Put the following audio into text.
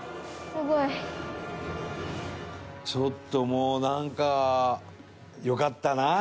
ちょっともうなんかよかったなあ